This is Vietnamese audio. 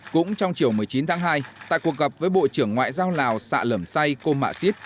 cũng trong chiều một mươi chín tháng hai tại cuộc gặp với bộ trưởng ngoại giao lào sạ lẩm say cô mạ xít